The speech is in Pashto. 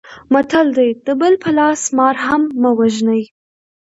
متل دی: د بل په لاس مار هم مه وژنئ.